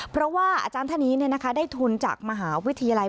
เพราะว่าอาจารย์ท่านนี้ได้ทุนจากมหาวิทยาลัย